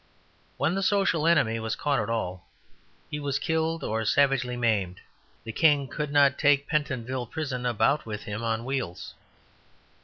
When the social enemy was caught at all he was killed or savagely maimed. The King could not take Pentonville Prison about with him on wheels.